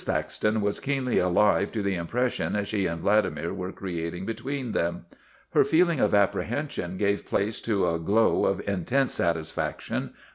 Thaxton was keenly alive to the impression she and Vladimir were creating between them. Her feeling of apprehension gave place to a glow of in tense satisfaction.